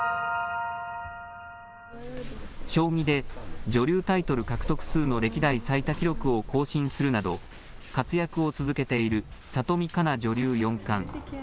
将棋で女流タイトル獲得数の歴代最多記録を更新するなど活躍を続けている里見香奈女流四冠。